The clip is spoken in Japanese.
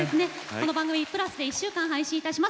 この番組「ＮＨＫプラス」で１週間配信いたします。